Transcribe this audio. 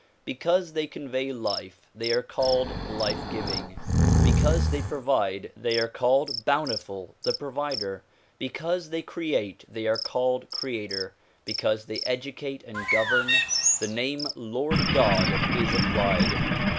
Because they convey life they are called life giving; because they provide they are called bountiful, the provider; because they create they are called creator; because they educate and govern, the name Lord God is applied.